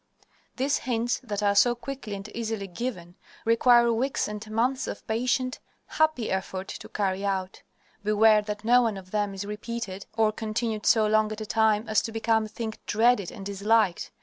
These hints that are so quickly and easily given, require weeks and months of patient, happy effort to carry out. Beware that no one of them is repeated or continued so long at a time as to become a thing dreaded and disliked.